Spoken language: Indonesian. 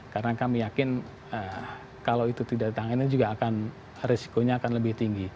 karena kami yakin kalau itu tidak ditangani risikonya akan lebih tinggi